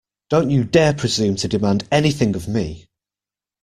Don't you dare presume to demand anything of me!